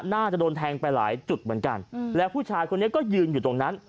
น่าจะโดนแทงไปหลายจุดเหมือนกันแล้วผู้ชายคนนี้ก็ยืนอยู่ตรงนั้น